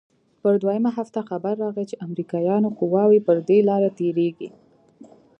پر دويمه هفته خبر راغى چې امريکايانو قواوې پر دې لاره تېريږي.